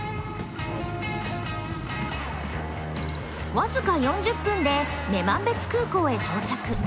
僅か４０分で女満別空港へ到着。